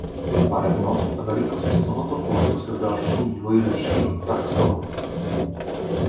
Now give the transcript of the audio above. Barevnost a velikost tohoto plodu se v dalším vývoji liší od taxonu.